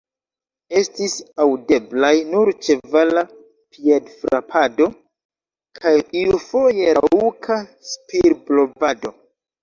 Estis aŭdeblaj nur ĉevala piedfrapado kaj iufoje raŭka spirblovado.